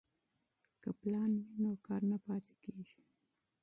که پلان وي نو کار نه پاتې کیږي.